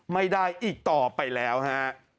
ไม่ได้อีกต่อไปแล้วฮะ